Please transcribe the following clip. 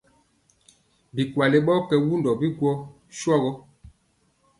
Bikwale ɓɔ yɛ wundɔ biŋgwo sɔrɔ.